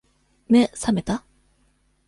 目、さめた？